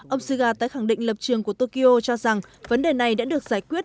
ông suga tái khẳng định lập trường của tokyo cho rằng vấn đề này đã được giải quyết